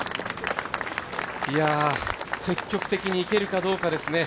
積極的にいけるかどうかですね。